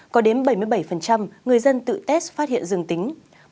có đến bảy mươi bảy người dân tự test phát hiện dương tính